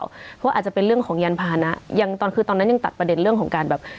เพราะว่าอาจจะเป็นเรื่องของยานพานะยังตอนคือตอนนั้นยังตัดประเด็นเรื่องของการแบบ